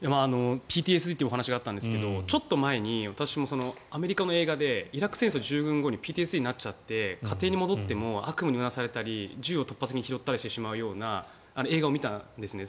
ＰＴＳＤっていうお話があったんですが、ちょっと前に私もアメリカの映画でイラク戦争従軍後にＰＴＳＤになって家庭に戻っても悪夢にうなされたり銃を突発的に拾ってしまったりする映画を見たんですね。